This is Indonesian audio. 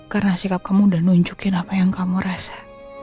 karena sikap kamu udah nunjukin apa yang kamu rasa